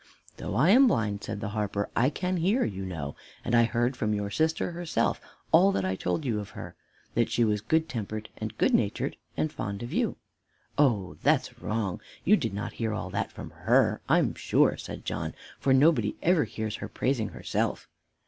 "Though I am blind," said the harper, "I can hear, you know, and I heard from your sister herself all that I told you of her, that she was good tempered and good natured and fond of you." "Oh, that's wrong you did not hear all that from her, I'm sure," said John, "for nobody ever hears her praising herself."